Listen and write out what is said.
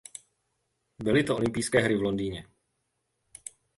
Byly to olympijské hry v Londýně.